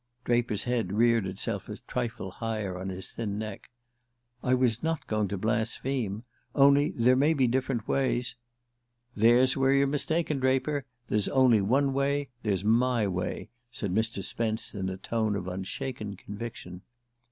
Draper's head reared itself a trifle higher on his thin neck. "I was not going to blaspheme; only there may be different ways " "There's where you're mistaken, Draper. There's only one way: there's my way," said Mr. Spence in a tone of unshaken conviction.